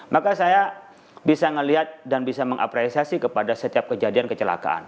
maka saya bisa melihat dan bisa mengapresiasi kepada setiap kejadian kecelakaan